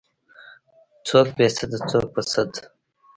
څوک بې سده څوک په سد.